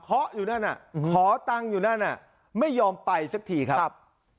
ขออยู่ด้านน่ะขอตังอยู่ด้านน่ะไม่ยอมไปเซ็บทีครับ